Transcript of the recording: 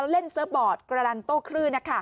เล่นเซอร์ฟบอร์ตกระดันโต้คลื่น